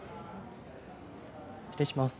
失礼します